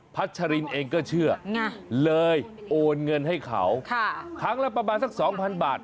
ัชรินเองก็เชื่อเลยโอนเงินให้เขาครั้งละประมาณสักสองพันบาท